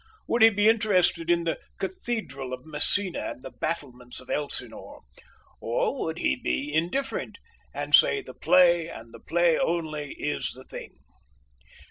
Would he be interested in the Cathedral of Messina, and the battlements of Elsinore? Or would he be indifferent, and say the play, and the play only, is the thing?